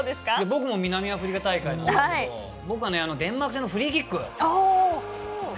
僕も南アフリカ大会ですけどデンマーク戦のフリーキック。